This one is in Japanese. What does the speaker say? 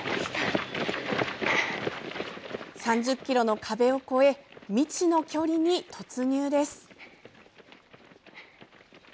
３０ｋｍの壁を越え未知の距離に突入です。